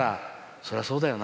そりゃそうだよな。